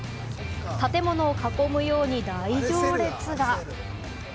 建物を囲むように大行列が。